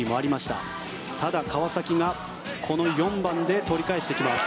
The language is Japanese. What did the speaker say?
ただ、川崎がこの４番で取り返してきます。